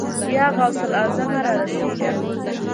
يا غوث الاعظمه! را رسېږه.